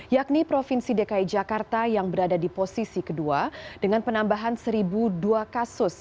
yakni provinsi dki jakarta yang berada di posisi kedua dengan penambahan satu dua kasus